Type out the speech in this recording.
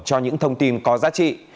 cho những thông tin có giá trị